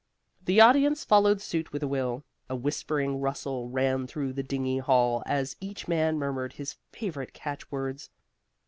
The audience followed suit with a will. A whispering rustle ran through the dingy hall as each man murmured his favorite catchwords.